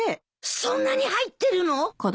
そんなに入ってるの！？